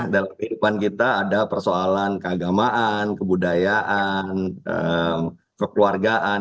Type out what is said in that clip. dalam kehidupan kita ada persoalan keagamaan kebudayaan kekeluargaan